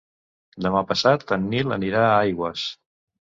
Demà passat en Nil anirà a Aigües.